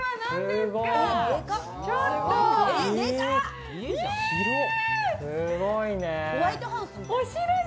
すごいね！